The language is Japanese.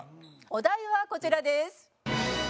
お題はこちらです。